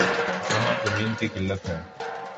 جہاں زمین کی قلت ہے۔